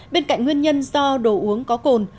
bên cạnh nguyên nhân do đồ uống có cồn